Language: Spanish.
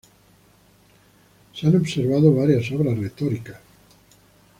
Se han conservado varias obras retóricas.